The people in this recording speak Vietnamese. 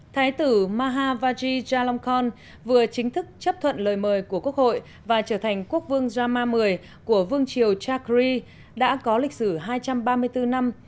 thái tử maha vajijalongkorn vừa chính thức chấp thuận lời mời của quốc hội và trở thành quốc vương rama x của vương triều chakri đã có lịch sử hai trăm ba mươi bốn năm